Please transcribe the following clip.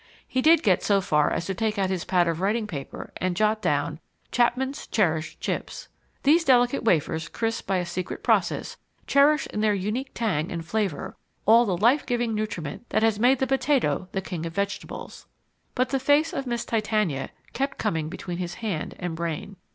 He did get so far as to take out his pad of writing paper and jot down CHAPMAN'S CHERISHED CHIPS These delicate wafers, crisped by a secret process, cherish in their unique tang and flavour all the life giving nutriment that has made the potato the King of Vegetables But the face of Miss Titania kept coming between his hand and brain.